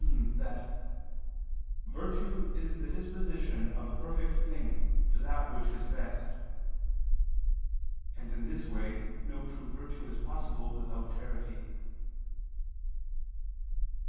17) that "virtue is the disposition of a perfect thing to that which is best": and in this way no true virtue is possible without charity.